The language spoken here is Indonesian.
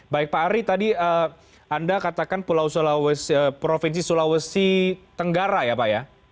baik pak ari tadi anda katakan provinsi sulawesi tenggara ya pak ya